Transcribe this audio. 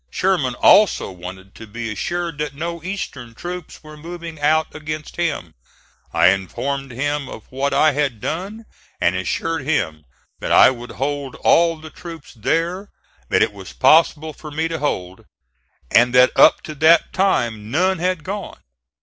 Sherman also wanted to be assured that no Eastern troops were moving out against him. I informed him of what I had done and assured him that I would hold all the troops there that it was possible for me to hold, and that up to that time none had gone.